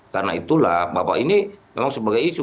karena itulah bapak ini memang sebagai isu